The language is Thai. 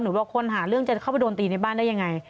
บอกคนหาเรื่องจะเข้าไปโดนตีในบ้านได้ยังไง